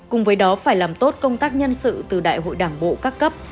cùng với đó phải làm tốt công tác nhân sự từ đại hội đảng bộ các cấp